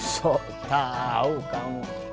sok tau kamu